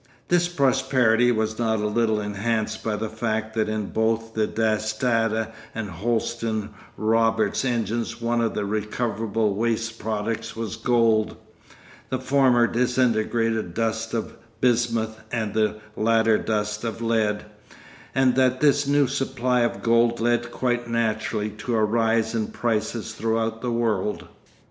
This prosperity was not a little enhanced by the fact that in both the Dass Tata and Holsten Roberts engines one of the recoverable waste products was gold—the former disintegrated dust of bismuth and the latter dust of lead—and that this new supply of gold led quite naturally to a rise in prices throughout the world.